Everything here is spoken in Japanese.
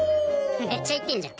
めっちゃ言ってんじゃん。